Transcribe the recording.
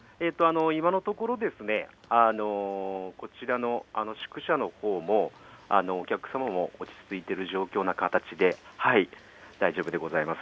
今のところ、こちらの宿舎のほうも、お客様も落ち着いているような形で、大丈夫でございます。